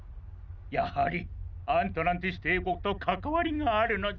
やはりアントランティスていこくとかかわりがあるのだ。